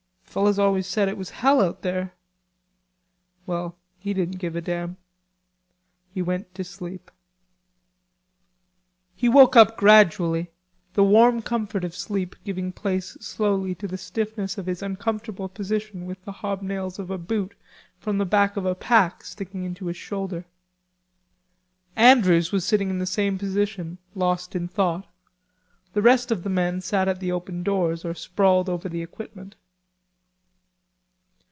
Fellows always said it was hell out there. Well, he didn't give a damn. He went to sleep. He woke up gradually, the warm comfort of sleep giving place slowly to the stiffness of his uncomfortable position with the hobnails of a boot from the back of a pack sticking into his shoulder. Andrews was sitting in the same position, lost in thought. The rest of the men sat at the open doors or sprawled over the equipment.